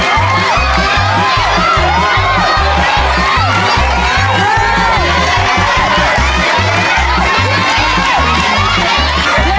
ก้อนเดิน